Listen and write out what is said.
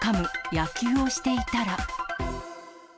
野球をしていたら。